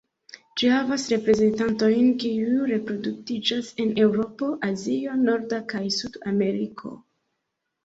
Ĝi havas reprezentantojn kiuj reproduktiĝas en Eŭropo, Azio, Norda, kaj Sud-Ameriko.